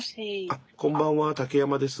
あっこんばんは竹山です。